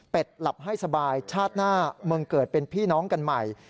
เป็นหลับให้สบายชาติหน้ามึงเกิดเป็นพี่น้องกันใหม่